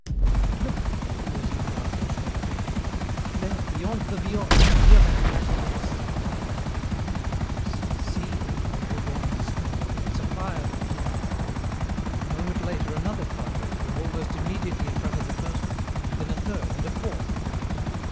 "Ah! look!" he resumed after a short pause. "There, beyond the Viorne, near that black mass." "Yes, I see," replied Rougon, in despair; "it's a fire they're kindling." A moment later another fire appeared almost immediately in front of the first one, then a third, and a fourth.